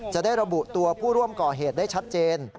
จะได้ระบุตัวผู้ร่วมก่อเหตุได้ชัดเจน